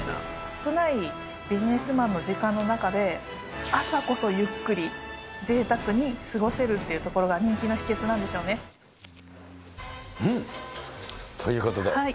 少ないビジネスマンの時間の中で、朝こそゆっくりぜいたくに過ごせるっていうところが人気の秘けつうん、ということで。